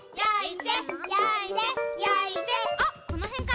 あっこのへんかな？